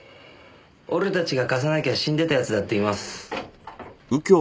俺たちが貸さなきゃ死んでた奴だっています。